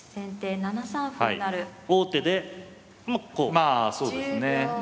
まあそうですね。